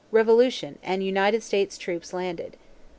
Revolution, and United States troops landed.